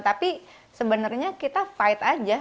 tapi sebenarnya kita fight aja